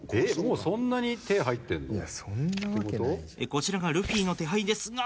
こちらがルフィの手牌ですが。